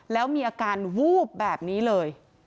แล้วมีอาการวูบแบบนี้เลย